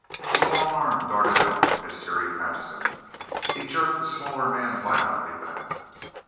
His long arm darted out as Terry passed him; he jerked the smaller man violently back.